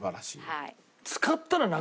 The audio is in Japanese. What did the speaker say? はい。